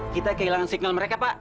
kita kehilangan signal mereka pak